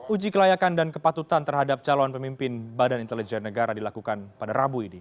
uji kelayakan dan kepatutan terhadap calon pemimpin badan intelijen negara dilakukan pada rabu ini